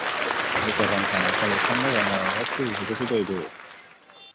Ez dute erronka makala izango, baina gogotsu ikusiko ditugu.